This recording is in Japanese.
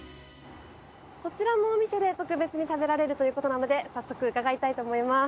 こちらのお店で、特別に食べられるということなので早速伺いたいと思います。